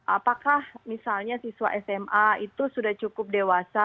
apakah misalnya siswa sma itu sudah cukup dewasa